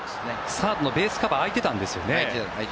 サードのベースカバーが空いてたんですね。